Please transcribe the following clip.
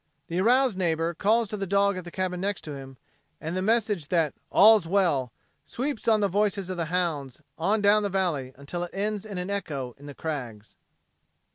The aroused neighbor calls to the dog at the cabin next to him, and the message that "all's well" sweeps on the voices of the hounds on down the valley until it ends in an echo in the crags.